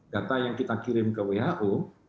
data yang kita kirim ke who